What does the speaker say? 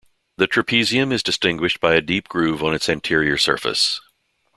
The trapezium is distinguished by a deep groove on its anterior surface.